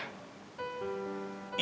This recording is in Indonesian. ibu yang dengar